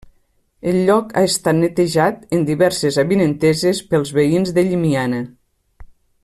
El lloc ha estat netejat en diverses avinenteses pels veïns de Llimiana.